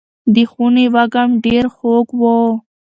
د خونې وږم ډېر خوږ و.